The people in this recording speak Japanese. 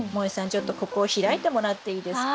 ちょっとここを開いてもらっていいですか？